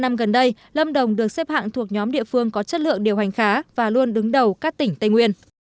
năm gần đây lâm đồng được xếp hạng thuộc nhóm địa phương có chất lượng điều hành khá và luôn đứng đầu các tỉnh tây nguyên